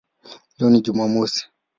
Leo ni Jumamosi".